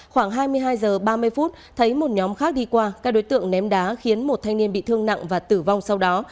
khoảng hai mươi hai h ba mươi phút thấy một nhóm khác đi qua các đối tượng ném đá khiến một thanh niên bị thương nặng và tử vong sau đó